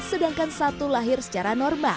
sedangkan satu lahir secara normal